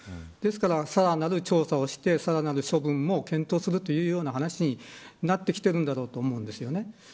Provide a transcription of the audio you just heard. ですから、さらなる調査をしてさらなる処分も検討するというような話になってきていると思うんです。